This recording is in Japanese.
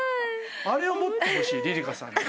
あれを持ってほしいりりかさんに。